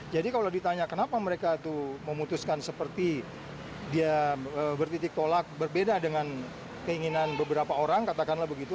jadi kalau ditanya kenapa mereka memutuskan seperti dia bertitik tolak berbeda dengan keinginan beberapa orang katakanlah begitu